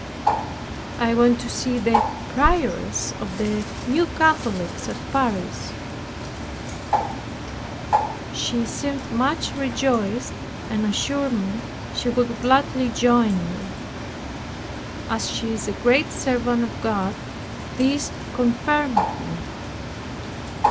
I went to see the prioress of the New Catholics at Paris. She seemed much rejoiced, and assured me she would gladly join me. As she is a great servant of God, this confirmed me.